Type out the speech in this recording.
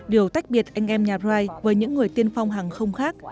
điều tách biệt anh em nhà rai với những người tiên phong hàng không khác